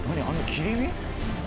切り身？